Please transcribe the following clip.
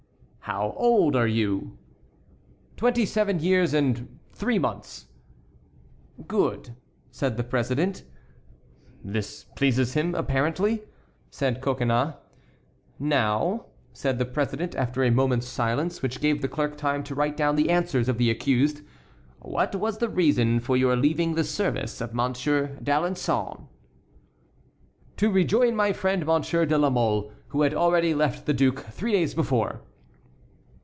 "How old are you?" "Twenty seven years and three months." "Good!" said the president. "This pleases him, apparently," said Coconnas. "Now," said the president after a moment's silence which gave the clerk time to write down the answers of the accused; "what was your reason for leaving the service of Monsieur d'Alençon?" "To rejoin my friend Monsieur de la Mole, who had already left the duke three days before."